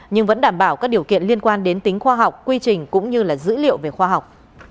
nhưng vẫn đảm bảo các điều kiện liên quan đến tính khoa học quy trình cũng như dữ liệu về khoa học